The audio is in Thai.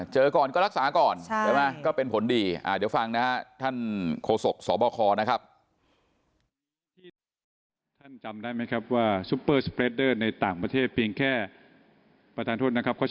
เจอก่อนก็รักษาก่อนก็เป็นผลดีเดี๋ยวฟังนะครับท่านโคศกสบค